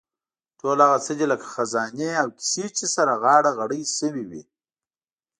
ټول هغه څه دي لکه خزانې او کیسې چې سره غاړه غړۍ شوې وي.